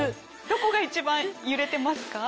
どこが一番揺れてますか？